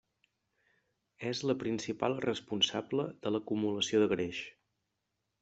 És la principal responsable de l'acumulació de greix.